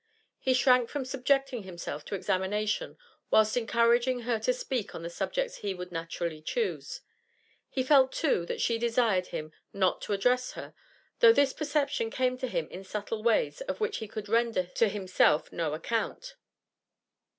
He shrank from subjecting himself to examination whilst encouraging her to speak on the subjects he would naturally choose; he felt, too, that she desired him not to address her, though this perception came to him in subtle ways of which he could render to himself no account.